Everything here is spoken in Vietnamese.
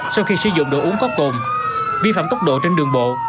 sau khi sử dụng đồ uống có cồn vi phạm tốc độ trên đường bộ